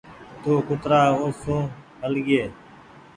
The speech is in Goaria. تو ڪترآ اي سون هل گيئي